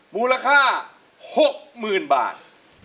มูลค่า๖๐๐๐บาท